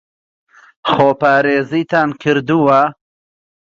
خۆپارێزیتان کردووە؟